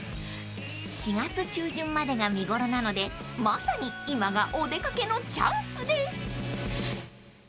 ［４月中旬までが見頃なのでまさに今がお出掛けのチャンスです］